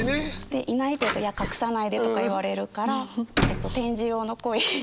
で「いない」って言うと「いや隠さないで」とか言われるから展示用の恋。